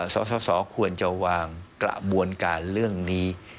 สสควรจะวางกระบวนการเรื่องนี้